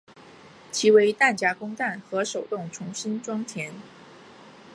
其为弹匣供弹和手动重新装填。